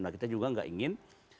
nah kita juga nggak ingin